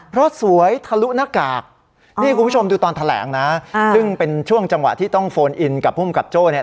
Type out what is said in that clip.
เพราะสวยทะลุหน้ากากนี่คุณผู้ชมดูตอนแถลงนะซึ่งเป็นช่วงจังหวะที่ต้องโฟนอินกับภูมิกับโจ้เนี่ย